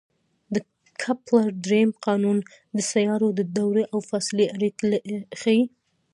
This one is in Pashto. د کپلر درېیم قانون د سیارو د دورې او فاصلې اړیکې ښيي.